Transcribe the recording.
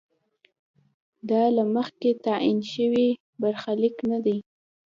دا له مخکې تعین شوی برخلیک نه دی.